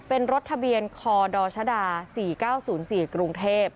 เป็นรถทะเบียนคดชด๔๙๐๔กรุงเทพฯ